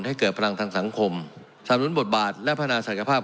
ให้เกิดพลังทางสังคมชำรุ้นบทบาทและพัฒนาศักยภาพ